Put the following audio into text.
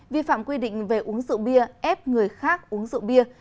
vi phạm quy định về uống rượu bia ép người khác uống rượu bia